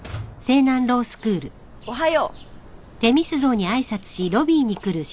おはよう。